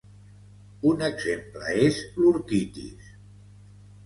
Un exemple és l'orquitis.